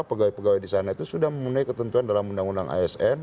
pegawai pegawai di sana itu sudah memenuhi ketentuan dalam undang undang asn